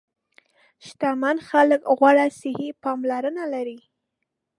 شتمن خلک غوره صحي پاملرنه لري.